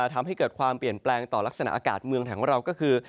ทำให้เกิดความเปลี่ยนแปลงต่อลักษณะอากาศเมืองไทยของเราก็คือ